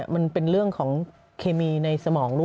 มันเป็นเรื่องของเคมีในสมองลูก